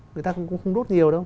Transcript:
người ta cũng không đốt nhiều đâu